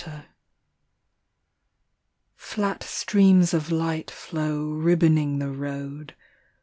LOVERS. FLAT streams of light flow ribboning the road.